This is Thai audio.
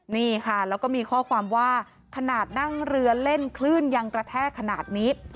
นี่ค่ะแล้วก็มีข้อความว่าขนาดนั่งเรือเล่นคลื่นยังกระแทกขนาดนี้